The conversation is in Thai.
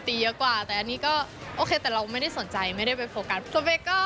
สเปคทำไมมันแบบว่าสูงหลอก